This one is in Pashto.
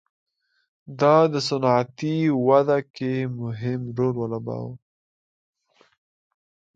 دا د صنعتي وده کې مهم رول ولوباوه.